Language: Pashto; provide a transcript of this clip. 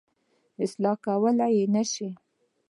اصلاح کولای یې نه شو.